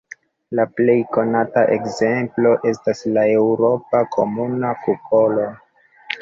La plej konata ekzemplo estas la eŭropa Komuna kukolo.